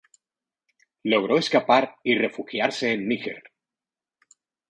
Logró escapar y refugiarse en Níger.